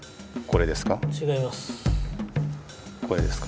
これですか？